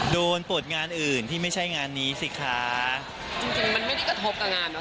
โดนปวดงานอื่นที่ไม่ใช่งานนี้สิคะจริงจริงมันไม่ได้กระทบกับงานเนอ